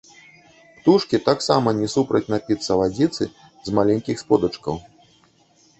Птушкі таксама не супраць напіцца вадзіцы з маленькіх сподачкаў.